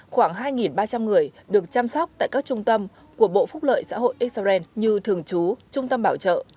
khoảng hai ba trăm linh người được chăm sóc tại các trung tâm của bộ phúc lợi xã hội israel như thường trú trung tâm bảo trợ